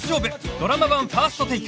ドラマ版ファーストテイク